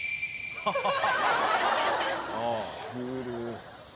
ハハハハ！